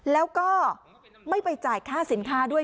แล้วก็ไม่ไปจ่ายค่าสินค้าด้วย